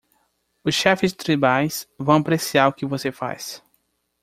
Os chefes tribais vão apreciar o que você faz.